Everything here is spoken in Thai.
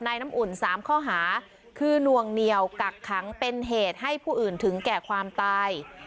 น้ำอุ่น๓ข้อหาคือนวงเหนียวกักขังเป็นเหตุให้ผู้อื่นถึงแก่ความตาย